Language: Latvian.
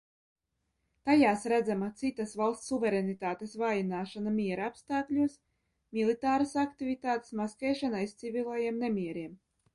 Tajās redzama citas valsts suverenitātes vājināšana miera apstākļos, militāras aktivitātes maskēšana aiz civilajiem nemieriem.